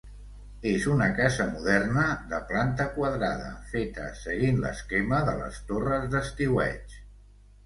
És una casa moderna, de planta quadrada, feta seguint l'esquema de les torres d'estiueig.